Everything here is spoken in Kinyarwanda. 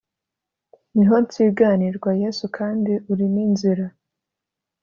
niho nsiganirwa, yesu kandi uri n’inzira